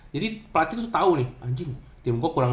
jadi pelatih tuh tahu nih anjing tim gua kurang